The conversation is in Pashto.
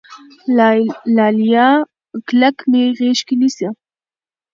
لاليه کلک مې غېږ کې نيسه